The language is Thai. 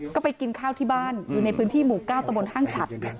ก็ไปกินข้าวที่บ้านอยู่ในพื้นที่หมู่๙ตะบนห้างฉัด